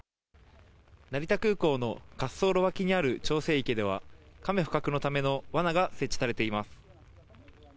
成田空港の滑走路脇にある調整池では、カメ捕獲のためのわなが設置されています。